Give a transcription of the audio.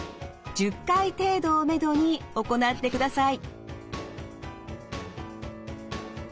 １０回を目安に行ってください。